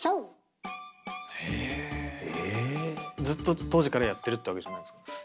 ずっと当時からやってるってわけじゃないんですか？